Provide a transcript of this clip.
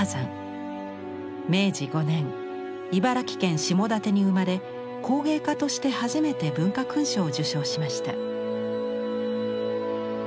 明治５年茨城県下館に生まれ工芸家として初めて文化勲章を受章しました。